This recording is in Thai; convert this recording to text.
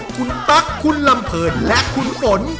คุณตั๊กคุณลำเพลินและคุณฝน